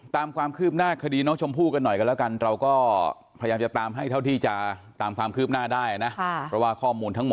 ตามความคืบหน้าคดีน้องชมภู่กันหน่อยกันแล้วกัน